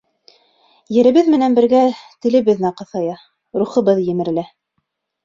Еребеҙ менән бергә телебеҙ наҡыҫая, рухыбыҙ емерелә.